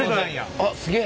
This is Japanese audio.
あっすげえ！